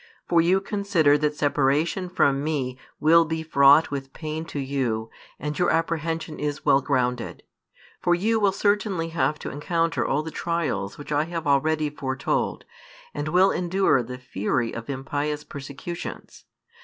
For you consider that separation from Me will be fraught with pain to you, and your apprehension is well grounded. For you will certainly have to encounter all the trials which I have already foretold, and will endure the fury of impious persecutions.